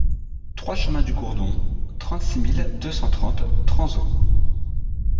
trois chemin du Gourdon, trente-six mille deux cent trente Tranzault